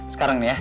sekarang nih ya